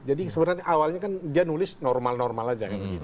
jadi sebenarnya awalnya kan dia nulis normal normal aja